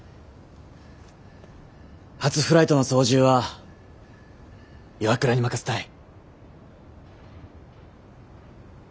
初フライトの操縦は岩倉に任すったい。